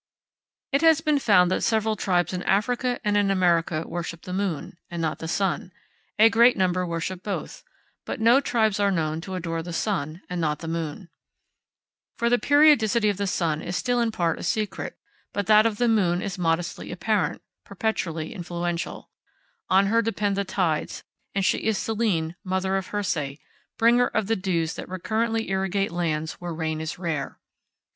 It has been found that several tribes in Africa and in America worship the moon, and not the sun; a great number worship both; but no tribes are known to adore the sun, and not the moon. For the periodicity of the sun is still in part a secret; but that of the moon is modestly apparent, perpetually influential. On her depend the tides; and she is Selene, mother of Herse, bringer of the dews that recurrently irrigate lands where rain is rare.